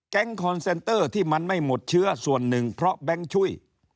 คอนเซนเตอร์ที่มันไม่หมดเชื้อส่วนหนึ่งเพราะแบงค์ช่วย